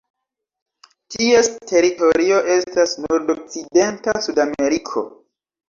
Ties teritorio estas nordokcidenta Sudameriko.